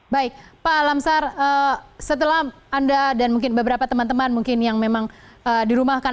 baik pak lamsar setelah anda dan mungkin beberapa teman teman mungkin yang memang dirumahkan